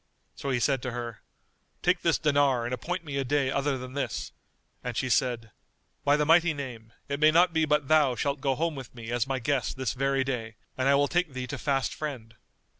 So he said to her, "Take this dinar and appoint me a day other than this;" and she said, "By the Mighty Name, it may not be but thou shalt go home with me as my guest this very day and I will take thee to fast friend."